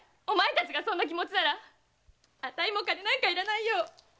おまえたちがそんな気持ちならあたいも金なんかいらないよ！